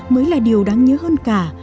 mới là điều đáng nhớ hơn cả